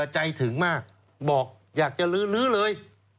ใจถึงมากบอกอยากจะลื้อเลย